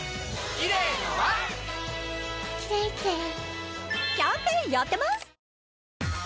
キャンペーンやってます！